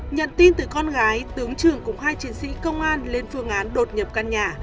nhận tin từ con gái tướng trưởng cùng hai chiến sĩ công an lên phương án đột nhập căn nhà